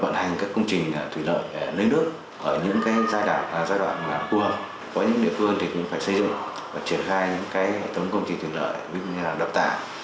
những tấm công ty thủy lợi đập tạ để ngăn mặn phục vụ sản xuất